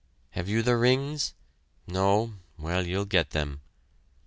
Have you the rings? No? Well, you'll get them.